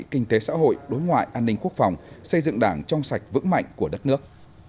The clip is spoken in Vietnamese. kinh tế xã hội đối ngoại an ninh quốc phòng xây dựng đảng trong sạch vững mạnh của đất nước